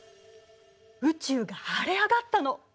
宇宙が晴れ上がったの！